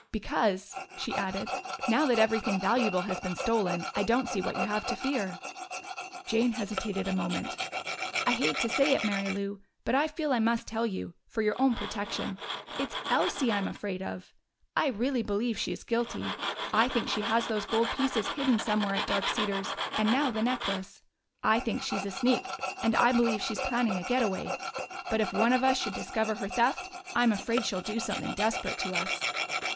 "Because," she added, "now that everything valuable has been stolen, I don't see what you have to fear." Jane hesitated a moment. "I hate to say it, Mary Lou, but I feel I must tell you for your own protection. It's Elsie I'm afraid of. I really believe she is guilty. I think she has those gold pieces hidden somewhere at Dark Cedars and now the necklace. I think she's a sneak, and I believe she's planning a getaway. But if one of us should discover her theft, I'm afraid she'd do something desperate to us."